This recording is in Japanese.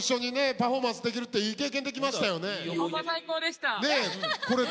パフォーマンスできるっていい経験できましたよね。